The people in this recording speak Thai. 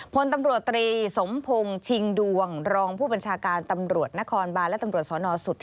พลตำรวจตรีสมพงศ์ชิงดวงรองผู้บัญชาการตำรวจนครบานและตำรวจสนสุธิ